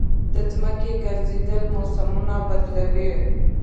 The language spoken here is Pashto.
د ځمکې ګرځېدل موسمونه بدلوي.